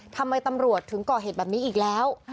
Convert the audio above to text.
ทำไมตำรวจถึงก่อเหตุแบบนี้อีกแล้ว